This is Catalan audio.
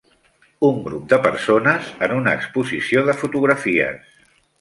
Un grup de persones en una exposició de fotografies